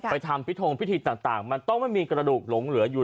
ทำพิธงพิธีต่างมันต้องไม่มีกระดูกหลงเหลืออยู่